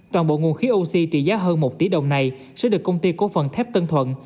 toàn bộ nguồn khí oxy trị giá hơn một tỷ đồng này sẽ được công ty cổ phần thép tân thuận